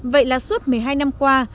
vậy là suốt một mươi hai năm qua